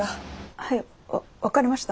はいわ分かりました。